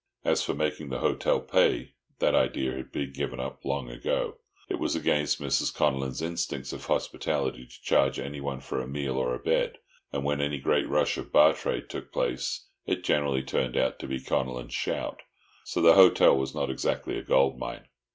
As for making the hotel pay, that idea had been given up long ago. It was against Mrs. Connellan's instincts of hospitality to charge anyone for a meal or a bed, and when any great rush of bar trade took place it generally turned out to be "Connellan's shout," so the hotel was not exactly a goldmine.